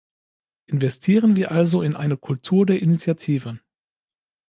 Investieren wir also in eine Kultur der Initiative.